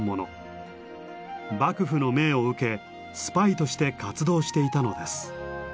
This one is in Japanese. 幕府の命を受けスパイとして活動していたのです。